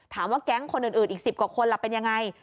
ถามว่าแก๊งก์คนอื่นอีก๑๐กว่าคนละเป็นอย่างไร